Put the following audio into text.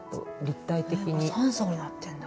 ３層になってんだ。